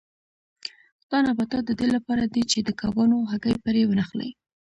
دا نباتات د دې لپاره دي چې د کبانو هګۍ پرې ونښلي.